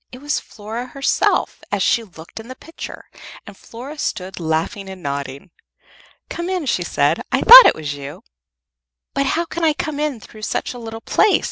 It was Flora herself, as she looked in the picture, and Flora stood laughing and nodding. "Come in," she said. "I thought it was you." "But how can I come in through such a little place?"